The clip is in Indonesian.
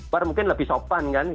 bar mungkin lebih sopan kan